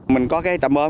mình có cái tầm ôm